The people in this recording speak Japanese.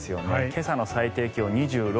今朝の最低気温、２６．１度。